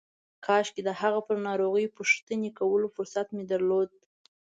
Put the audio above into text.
کاشکې د هغه پر ناروغۍ پوښتنې کولو فرصت مې درلود.